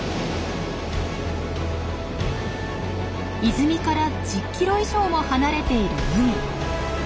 泉から１０キロ以上も離れている海。